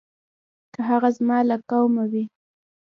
که هغه زما له قومه وي.